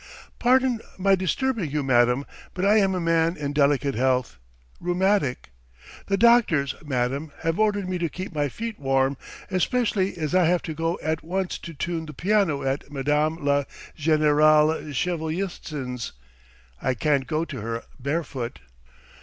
"Pardon my disturbing you, madam, but I am a man in delicate health, rheumatic .... The doctors, madam, have ordered me to keep my feet warm, especially as I have to go at once to tune the piano at Madame la Générale Shevelitsyn's. I can't go to her barefoot."